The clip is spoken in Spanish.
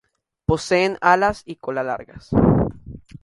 Poseen alas y cola largas.